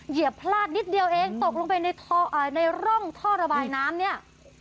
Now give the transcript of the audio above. เหยียบพลาดนิดเดียวเองตกลงไปในร่องท่อระบายน้ำเนี่ย